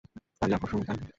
ভারি আকর্ষণীয়, তাই না?